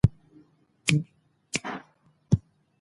هغوی په خپلو زده کړو کې ستړي سول.